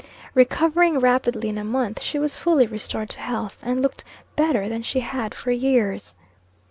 Recovering rapidly, in a month she was fully restored to health, and looked better than she had for years.